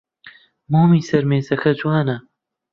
مۆمی سەر مێزەکە جوانە.